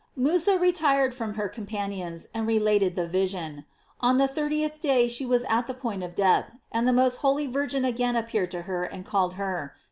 Musa retired from her companions, and related the vision. On the thirtieth day she was at the point of death, and the most holy Virgin again appeared to her and called her.